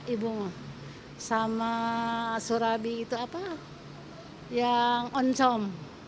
ibumu sama surabi itu apa yang oncom